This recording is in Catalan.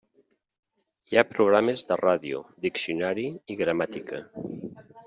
Hi ha programes de ràdio, diccionari i gramàtica.